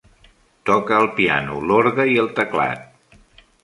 Toca el piano, l'orgue, i el teclat.